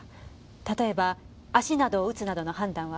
例えば足などを撃つなどの判断は。